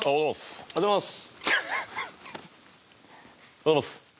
おはようございます。